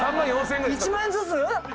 １万円ずつ？